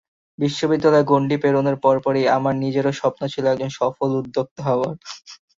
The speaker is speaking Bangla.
বিশ্ববিদ্যালয় গণ্ডি পেরোনোর পরপরই আমার নিজেরও স্বপ্ন ছিল একজন সফল উদ্যোক্তা হওয়ার।